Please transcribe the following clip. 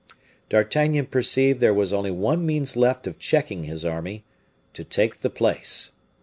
D'Artagnan perceived there was only one means left of checking his army to take the place.